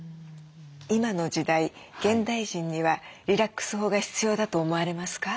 今の時代現代人にはリラックス法が必要だと思われますか？